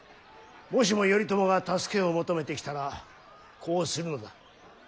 もしも頼朝が助けを求めてきたらこうするのだ。